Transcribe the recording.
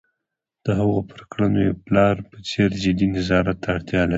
د هغوی پر کړنو یوې پلار په څېر جدي نظارت ته اړتیا ده.